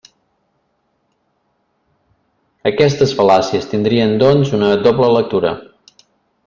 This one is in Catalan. Aquestes fal·làcies tindrien, doncs, una doble lectura.